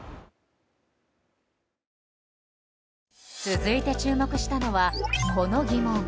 続いて注目したのはこの疑問。